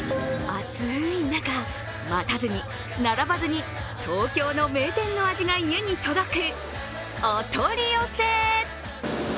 暑い中、待たずに並ばずに東京の名店の味が家に届くお取り寄せ。